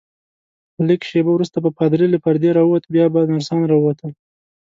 لږ شیبه وروسته به پادري له پردې راووت، بیا به نرسان راووتل.